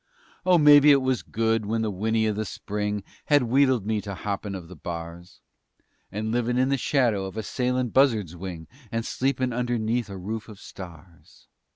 Oh, mebbe it was good when the whinny of the Spring Had wheedled me to hoppin' of the bars, And livin' in the shadow of a sailin' buzzard's wing And sleepin' underneath a roof of stars.